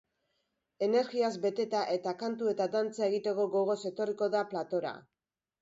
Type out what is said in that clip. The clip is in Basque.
Energiaz beteta eta kantu eta dantza egiteko gogoz etorriko da platora.